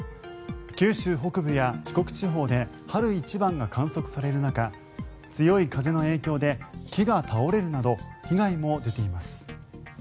九州北部や四国地方で春一番が観測される中強い風の影響で木が倒れるなど被害も出ています。